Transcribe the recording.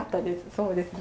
そうですね。